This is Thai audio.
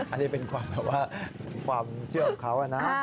อันนี้เป็นความเชื่อของเขานะ